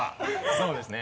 そうですね。